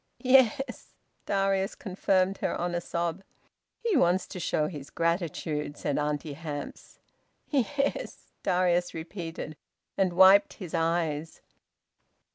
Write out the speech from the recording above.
"Ye hes," Darius confirmed her, on a sob. "He wants to show his gratitude," said Auntie Hamps. "Ye hes," Darius repeated, and wiped his eyes.